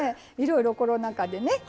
いろいろコロナ禍でね